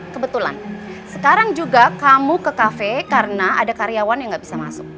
kebetulan sekarang juga kamu ke kafe karena ada karyawan yang nggak bisa masuk